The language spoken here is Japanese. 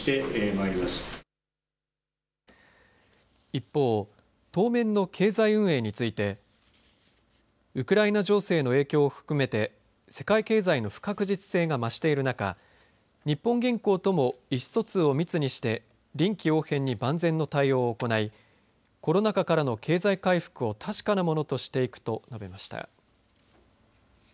一方、当面の経済運営についてウクライナ情勢の影響を含めて世界経済の不確実性が増しているなか日本銀行とも意思疎通を密にして臨機応変に万全の対応を行いコロナ禍からの経済回復を確かなものにしていくと述べました。